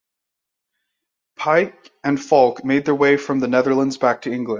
Pyke and Falk made their way from the Netherlands back to England.